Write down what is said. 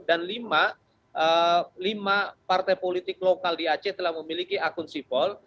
dan lima partai politik lokal di aceh telah memiliki akun sipol